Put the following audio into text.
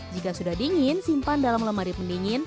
jika sudah dingin simpan dalam lemari pendingin